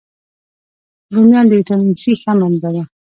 رومیان د ویټامین C ښه منبع دي